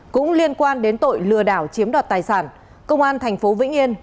cũng liên quan đến tội lừa đảo chiếm đoạt tài sản công an tp vĩnh yên